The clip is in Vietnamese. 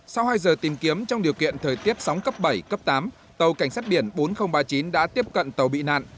sau hai giờ tìm kiếm trong điều kiện thời tiết sóng cấp bảy cấp tám tàu cảnh sát biển bốn nghìn ba mươi chín đã tiếp cận tàu bị nạn